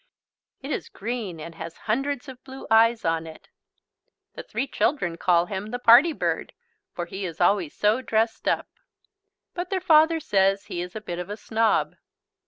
It is green and has hundreds of blue eyes in it. The three children call him the "Party Bird" for he is always so dressed up, but their father says he is "a bit of a snob."